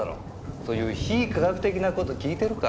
そういう非科学的な事聞いてるか？